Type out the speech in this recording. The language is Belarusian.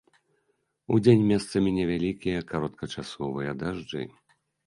Удзень месцамі невялікія кароткачасовыя дажджы.